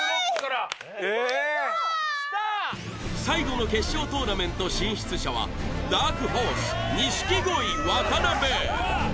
最後の決勝トーナメント進出者はダークホース錦鯉渡辺。